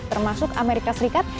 termasuk amerika serikat